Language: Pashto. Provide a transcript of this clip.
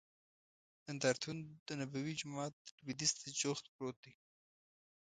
نندارتون دنبوي جومات لوید یځ ته جوخت پروت دی.